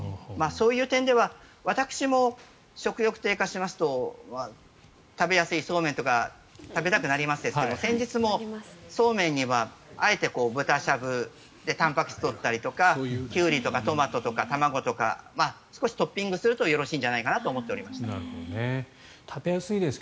そういう点では私も食欲が低下しますと食べやすいそうめんとか食べたくなりますが先日もそうめんにはあえて豚しゃぶでたんぱく質を取ったりとかキュウリとかトマトとか卵とか少しトッピングするとよろしいんじゃないかなと思います。